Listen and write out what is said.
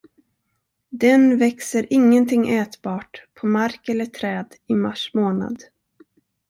Den växer ingenting ätbart på mark eller träd i mars månad.